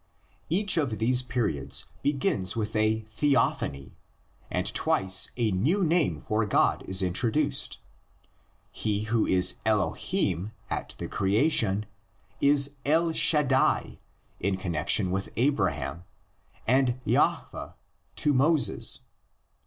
Each of these periods begins with a theophany, and twice a new name for God is introduced. He who is Elohim at the crea tion is El Shaddai in connexion with Abraham and Jahveh to Moses.